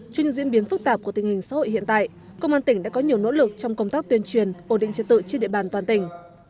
trên những diễn biến phức tạp của tình hình xã hội hiện tại công an tỉnh đã có nhiều nỗ lực trong công tác tuyên truyền ổn định trật tự trên địa bàn toàn tỉnh